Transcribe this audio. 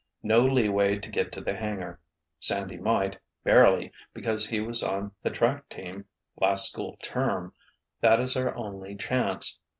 "No leeway to get to the hangar—Sandy might, barely, because he was on the track team, last school term. That is our only chance.